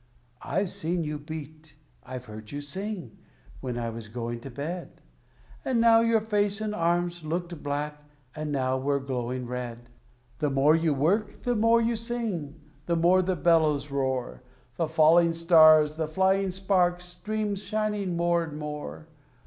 I've seen you beat, I've heard you sing, when I was going to bed; And now your face and arms looked black, and now were glowing red. The more you work, the more you sing, the more the bellows roar; The falling stars, the flying sparks, stream shining more and more.